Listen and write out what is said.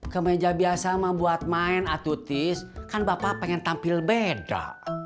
kemeja biasa membuat main atutis kan bapak pengen tampil beda